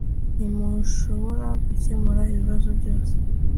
ntimushobora gukemura ibibazo byose